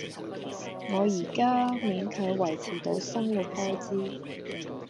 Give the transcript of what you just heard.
我而家勉強維持到生活開支